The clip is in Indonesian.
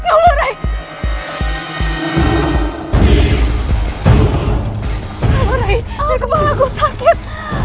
aduh rai kepala gue sakit